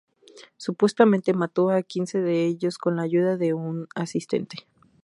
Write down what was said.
Supuestamente mató a quince de ellos con la ayuda de un asistente.